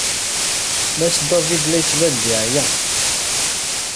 Mass David la yettban-d yeɛya.